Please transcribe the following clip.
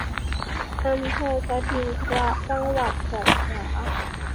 อำเภอสทิงพระ จังหวัดสงขลา